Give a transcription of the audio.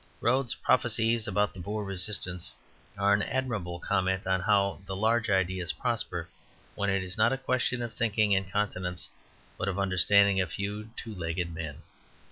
Rhodes' prophecies about the Boer resistance are an admirable comment on how the "large ideas" prosper when it is not a question of thinking in continents but of understanding a few two legged men.